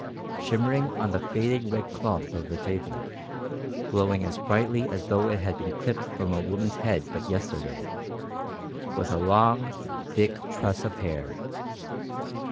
Shimmering on the faded red cloth of the table, glowing as brightly as though it had been clipped from a woman's head but yesterday, was a long, thick tress of hair!